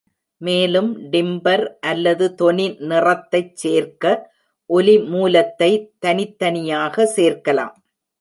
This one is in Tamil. மேலும் டிம்பர் அல்லது தொனி நிறத்தைச் சேர்க்க ஒலி மூலத்தை தனித்தனியாக சேர்க்கலாம்.